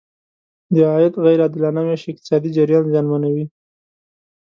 د عاید غیر عادلانه ویش اقتصادي جریان زیانمنوي.